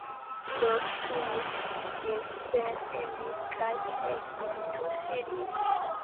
Ros klinis sin super Emil kaj ekis tuŝi lin.